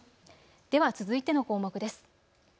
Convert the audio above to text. では続いての項目です。